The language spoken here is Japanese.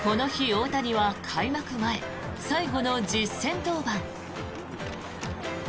この日、大谷は開幕前最後の実戦登板。